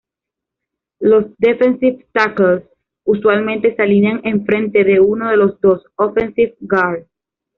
Los "defensive tackles" usualmente se alinean enfrente de uno de los dos "offensive guards".